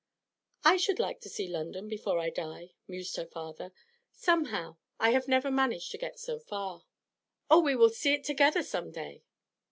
'I should like to see London before I die,' mused her father. 'Somehow I have never managed to get so far.' 'Oh, we will see it together some day.'